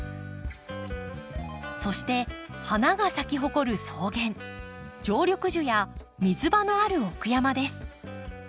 そして花が咲き誇る草原常緑樹や水場のある奥山です。